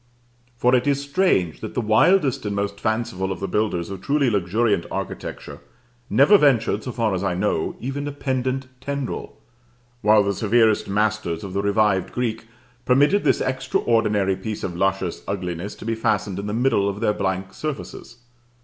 For it is strange that the wildest and most fanciful of the builders of truly luxuriant architecture never ventured, so far as I know, even a pendent tendril; while the severest masters of the revived Greek permitted this extraordinary piece of luscious ugliness to be fastened in the middle of their blank surfaces.